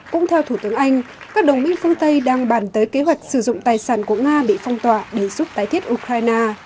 cũng theo thủ tướng anh các đồng minh phương tây đang bàn tới kế hoạch sử dụng tài sản của nga bị phong tỏa để giúp tái thiết ukraine